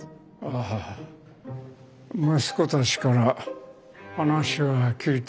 ああ息子たちから話は聞いております。